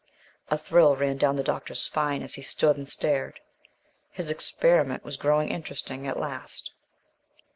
A thrill ran down the doctor's spine as he stood and stared. His experiment was growing interesting at last.